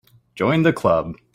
Join the Club.